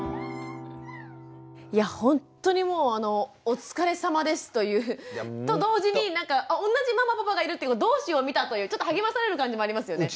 いやほんとにもうあの「お疲れさまです」というと同時になんか同じママパパがいるってこと同志を見たというちょっと励まされる感じもありますよね。